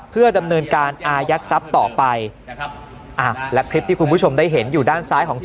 เพื่อดำเนินการอายัดทรัพย์ต่อไปและคลิปที่คุณผู้ชมได้เห็นอยู่ด้านซ้ายของจ